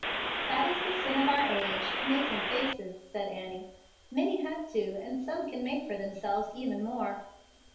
"That is the sin of our age making faces," said Annie. "Many have two, and some can make for themselves even more."